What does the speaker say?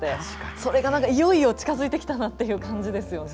それが、いよいよ近づいてきたなっていう感じですよね。